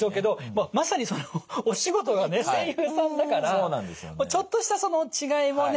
まさにそのお仕事がね声優さんだからちょっとしたその違いもね